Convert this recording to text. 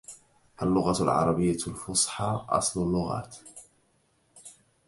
اللغة العربية الفصحي أصل اللغات.